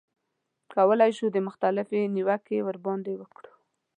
کولای شو مختلفې نیوکې ورباندې وکړو.